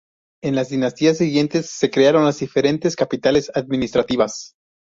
En las dinastías siguientes, se crearon las diferentes capitales administrativas.